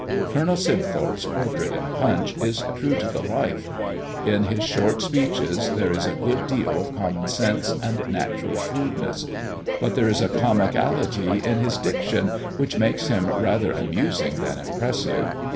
Colonel Sibthorp's portrait in "Punch" is true to the life; in his short speeches, there is a good deal of common sense and natural shrewdness; but there is a comicality in his diction which makes them rather amusing than impressive.